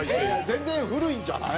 全然古いんじゃない？